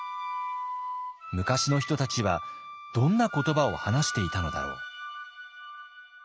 昔の人たちはどんな言葉を話していたのだろう？